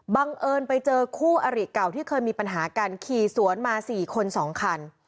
บังเอิญไปเจอคู่อริเก่าที่เคยมีปัญหากันขี่สวนมา๔คน๒คัน